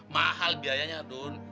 mahal biayanya dun